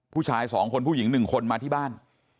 ผู้ชาย๒คนผู้หญิง๑คนมาที่บ้าน